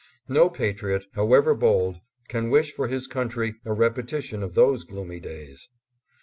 No pa triot, however bold, can wish for his country a repeti tion of those gloomy days.